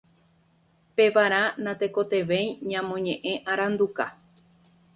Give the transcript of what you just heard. Pevarã natekotevẽi ñamoñe'ẽ aranduka.